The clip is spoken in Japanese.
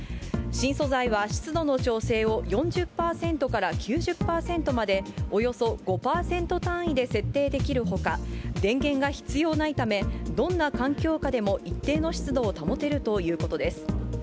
新素材は湿度の調整を４０％から９０％まで、およそ５％単位で設定できるほか、電源が必要ないため、どんな環境下でも一定の湿度を保てるということです。